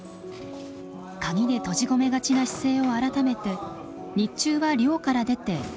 鍵で閉じ込めがちな姿勢を改めて日中は寮から出て活動します。